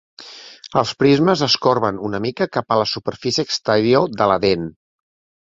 Els prismes es corben una mica cap a la superfície exterior de la dent.